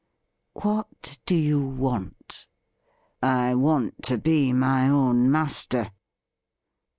' What do you want ?'' I want to be my own master.'